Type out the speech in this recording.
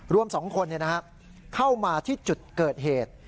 รวม๒คนเข้ามาที่จุดเกิดเหตุ